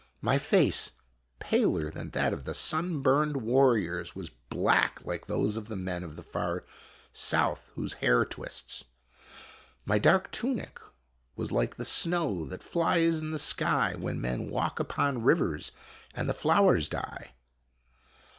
My face, paler than that of the sunburned warriors, was black like those of the men of the far south whose hair twists. My dark tunic was like the snow that flies in the sky when men walk upon rivers and the flowers die.